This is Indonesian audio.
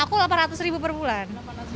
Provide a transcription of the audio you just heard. aku rp delapan ratus per bulan